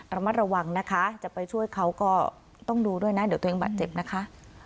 ระมัดระวังนะคะจะไปช่วยเขาก็ต้องดูด้วยนะเดี๋ยวตัวเองบาดเจ็บนะคะ